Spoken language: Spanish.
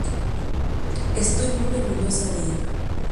Estoy muy orgullosa de ello".